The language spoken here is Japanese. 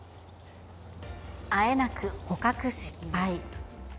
あえなく捕獲失敗。